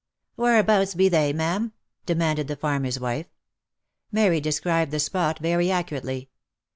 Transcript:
" Whereabouts be they, ma'am ?" demanded the farmer's wife. Mary described the spot very accurately.